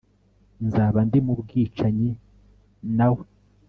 Nzaba ndi mu bwicanyiNawe